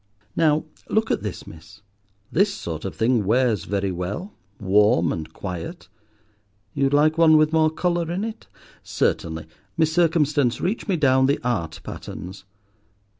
Now, look at this, miss. This sort of thing wears very well, warm and quiet. You'd like one with more colour in it? Certainly. Miss Circumstance, reach me down the art patterns.